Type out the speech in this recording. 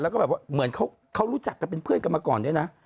แล้วก็แบบว่าเหมือนเขารู้จักกันเป็นเพื่อนกันมาก่อนด้วยนะ